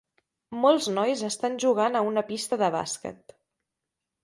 Molts nois estan jugant a una pista de bàsquet